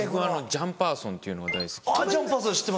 『ジャンパーソン』っていうのが大好きで。